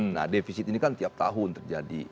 nah defisit ini kan tiap tahun terjadi